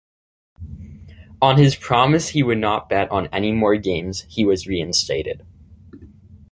On his promise he would not bet on any more games, he was reinstated.